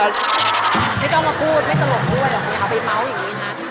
ไม่ต้องมาพูดไม่ตลกด้วยหรอกอย่าเอาไปเมาส์อย่างนี้นะ